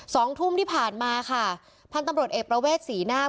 สองทุ่มที่ผ่านมาค่ะพันธุ์ตำรวจเอกประเวทศรีนาค